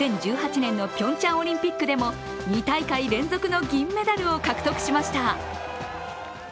２０１８年のピョンチャンオリンピックでも２大会連続の銀メダルを獲得しました。